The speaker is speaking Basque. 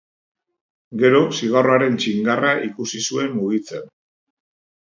Gero zigarroaren txingarra ikusi zuen mugitzen.